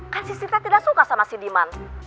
kan sri tidak suka sama si diman